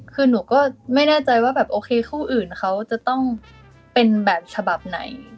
คือหนูก็ไม่แน่ใจว่าแบบโอเคคู่อื่นเขาจะต้องเป็นแบบฉบับไหน